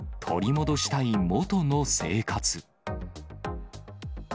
取り戻したい元の生活。